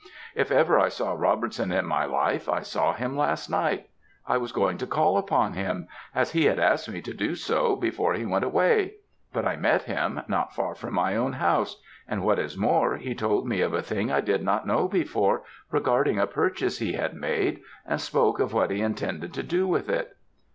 'If ever I saw Robertson in my life I saw him last night; I was going to call upon him, as he had asked me to do so before he went away; but I met him, not far from my own house; and what is more, he told me of a thing I did not know before, regarding a purchase he had made, and spoke of what he intended to do with it.'